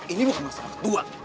ini bukan masalah ketua